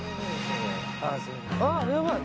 ああやばい！